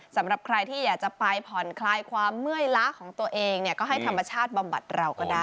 สำหรับใครที่อยากจะไปผ่อนคลายความเมื่อยล้าของตัวเองเนี่ยก็ให้ธรรมชาติบำบัดเราก็ได้